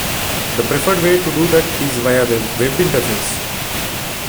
The preferred way to do that is via a Web interface.